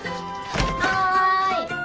はい。